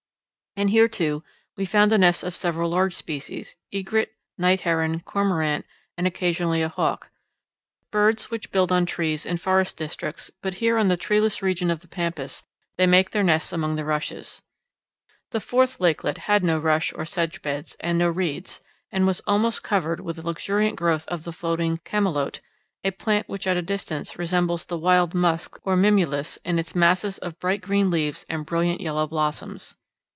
And here, too, we found the nests of several large species egret, night heron, cormorant, and occasionally a hawk birds which build on trees in forest districts, but here on the treeless region of the pampas they made their nests among the rushes. The fourth lakelet had no rush or sedge beds and no reeds, and was almost covered with a luxuriant growth of the floating camalote, a plant which at a distance resembles the wild musk or mimulus in its masses of bright green leaves and brilliant yellow blossoms.